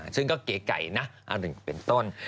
ซึ่งก็เก๋ไก่นะอันหนึ่งเป็นต้น